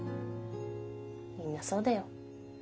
みんなそうだよ。